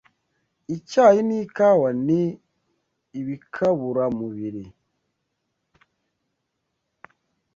Icyayi n’ikawa ni ibikaburamubiri.